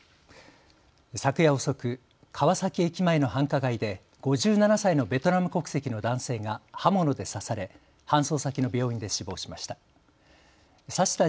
昨夜遅く、川崎駅前の繁華街で５７歳のベトナム国籍の男性が刃物で刺され搬送先の病院で死亡しました。